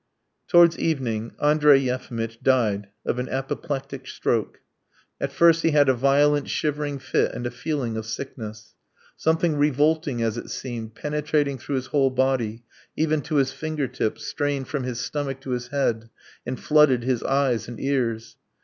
Towards evening Andrey Yefimitch died of an apoplectic stroke. At first he had a violent shivering fit and a feeling of sickness; something revolting as it seemed, penetrating through his whole body, even to his finger tips, strained from his stomach to his head and flooded his eyes and ears.